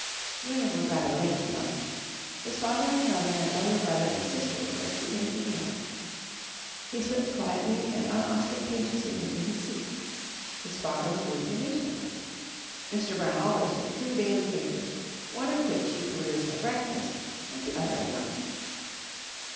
William was rather late to lunch. His father and mother and elder brother and sister were just beginning the meal. He slipped quietly and unostentatiously into his seat. His father was reading a newspaper. Mr. Brown always took two daily papers, one of which he perused at breakfast and the other at lunch.